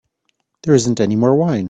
There isn't any more wine.